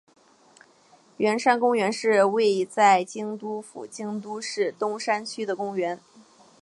圆山公园是位在京都府京都市东山区的公园。